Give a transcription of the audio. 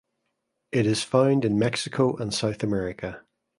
It is found in Mexico and South America.